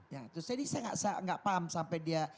ya terus jadi saya nggak paham sampai dia